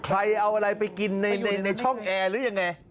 ใครเอาอะไรไปกินในช่องแอร์หรือยังไง